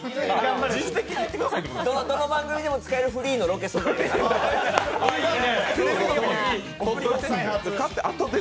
どの番組でも使えるフリーのロケ素材で。